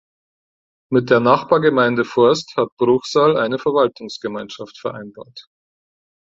Mit der Nachbargemeinde Forst hat Bruchsal eine Verwaltungsgemeinschaft vereinbart.